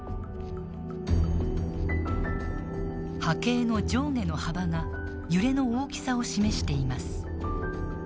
波形の上下の幅が揺れの大きさを示しています。